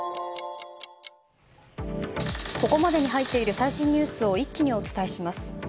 ここまでに入っている最新ニュースを一気にお伝えします。